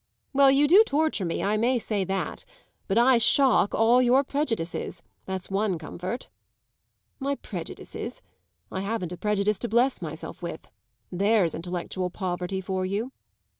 "Well, you do torture me; I may say that. But I shock all your prejudices; that's one comfort." "My prejudices? I haven't a prejudice to bless myself with. There's intellectual poverty for you."